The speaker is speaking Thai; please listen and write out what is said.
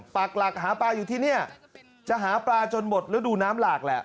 ปากหลักหาปลาอยู่ที่นี่จะหาปลาจนหมดฤดูน้ำหลากแหละ